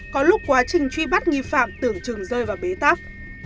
có lúc quá trình truy bắt nghi phạm tưởng trừng rơi vào bế tắp